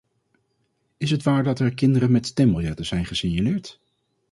Is het waar dat er kinderen met stembiljetten zijn gesignaleerd?